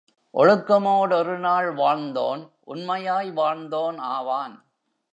ஒழுக்கமோ டொருநாள் வாழ்ந்தோன் உண்மையாய் வாழ்ந்தோன் ஆவான்.